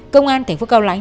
công an tp cao lãnh